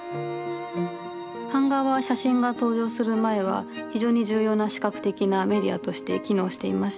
版画は写真が登場する前は非常に重要な視覚的なメディアとして機能していました。